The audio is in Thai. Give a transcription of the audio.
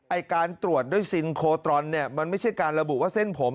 การตรวจด้วยซินโคตรอนเนี่ยมันไม่ใช่การระบุว่าเส้นผม